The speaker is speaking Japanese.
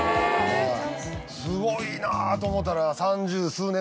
すごいなと思ったら。